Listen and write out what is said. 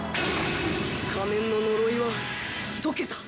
仮面の呪いは解けた！